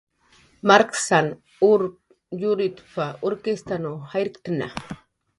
"Marksan ur yurtap"" urkistn jayrt'atna "